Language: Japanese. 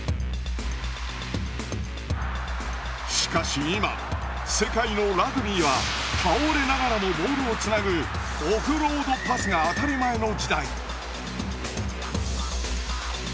しかし今世界のラグビーは倒れながらもボールをつなぐオフロードパスが当たり前の時代。